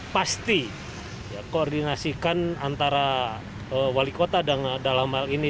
perjadi peningkatan yang signifikan pasti koordinasikan antara wali kota dalam hal ini